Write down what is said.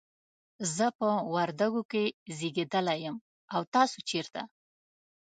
زه په وردګو کې زیږیدلی یم، او تاسو چیرته؟